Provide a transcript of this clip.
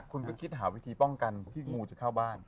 คุณก็คิดหาวิธีป้องกันที่งูจะเข้าบ้าน